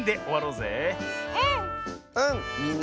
うん。